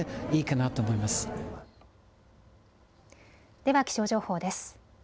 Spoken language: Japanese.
では気象情報です。